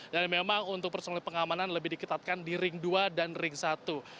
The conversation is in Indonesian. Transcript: dan memang untuk personil pengamanan lebih diketatkan di ring dua dan ring satu